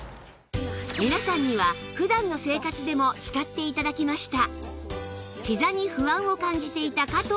皆さんには普段の生活でも使って頂きました